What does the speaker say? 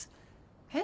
えっ？